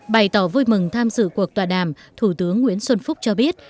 bày tỏ vui mừng tham dự cuộc tòa đàm thủ tướng nguyễn xuân phúc cho biết